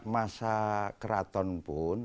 masa keraton pun